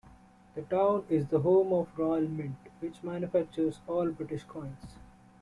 The town is the home of the Royal Mint, which manufactures all British coins.